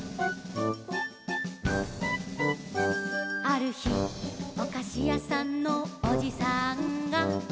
「あるひおかしやさんのおじさんが」